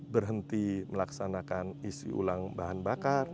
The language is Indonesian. berhenti melaksanakan isi ulang bahan bakar